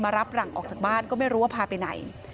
รับหลังออกจากบ้านก็ไม่รู้ว่าพาไปไหน